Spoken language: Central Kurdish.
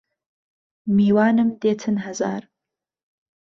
میوانم دێتن هەزار